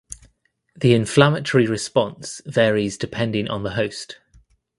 The inflammatory response varies depending on the host.